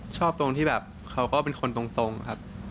ตรงที่แบบเขาก็เป็นคนตรงครับ